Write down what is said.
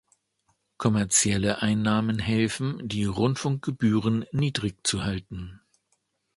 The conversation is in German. Kommerzielle Einnahmen helfen, die Rundfunkgebühren niedrig zu halten.